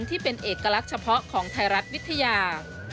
ที่เป็นเอกลักษณ์เฉพาะของไทยรัฐวิทยา